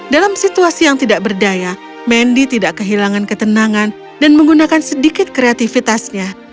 dalam situasi yang tidak berdaya mendy tidak kehilangan ketenangan dan menggunakan sedikit kreatifitasnya